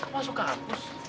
masuk ke hapus